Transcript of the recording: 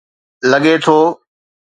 لڳي ٿو.